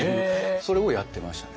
それをやってましたね。